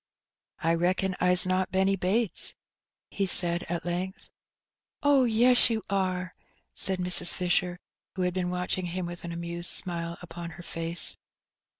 I reckon Fs not Benny Bates," he said at length. Oh, yes, you are," said Mrs. Fisher, who had been watching him with an amused smile upon her face.